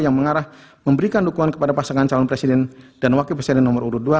yang mengarah memberikan dukungan kepada pasangan calon presiden dan wakil presiden nomor urut dua